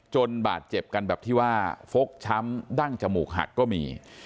บาดเจ็บกันแบบที่ว่าฟกช้ำดั้งจมูกหักก็มี